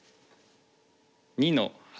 ２の八。